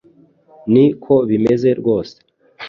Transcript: Ni ko bimeze rwose